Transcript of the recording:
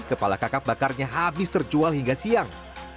kepala kakap bakarnya habis terjual hingga siang